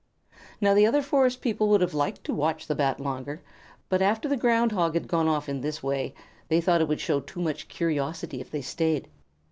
Now the other forest people would have liked to watch the Bat longer, but after the Ground Hog had gone off in this way, they thought it would show too much curiosity if they stayed.